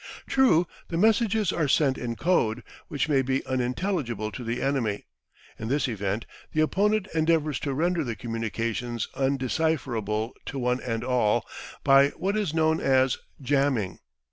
True, the messages are sent in code, which may be unintelligible to the enemy. In this event the opponent endeavours to render the communications undecipherable to one and all by what is known as "jambing."